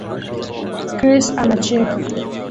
Chris anacheka